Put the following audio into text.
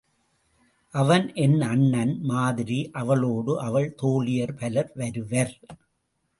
அவன் என் அண்ணன் மாதிரி அவளோடு அவள் தோழியர் பலர் வருவர்.